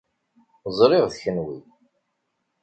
Ẓriɣ d kenwi.